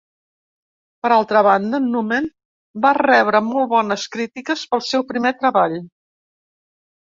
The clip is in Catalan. Per altra banda, Numen va rebre molt bones crítiques pel seu primer treball.